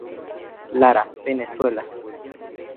Lara, Venezuela.